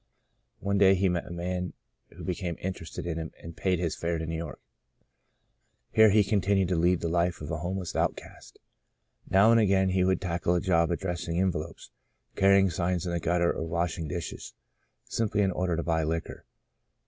One day he met a man who became interested in him and paid his fare to New York. Here he continued to lead the Hfe of a homeless outcast. Now and again he would tackle a job addressing en velopes, carrying signs in the gutter or wash ing dishes, simply in order to buy liquor.